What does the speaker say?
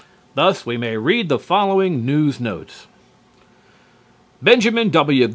Thus we may read the following NEWS NOTES: Benjamin W.